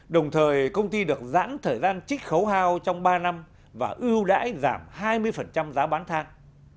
đồng thời công ty được giãn thời gian trích khấu hao trong ba năm và ưu đãi giảm hai mươi giá bán thang